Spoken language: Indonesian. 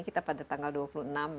kita pada tanggal dua puluh enam